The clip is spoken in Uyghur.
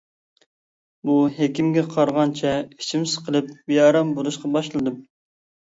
بۇ ھېكىمگە قارىغانچە ئىچىم سىقىلىپ بىئارام بولۇشقا باشلىدىم.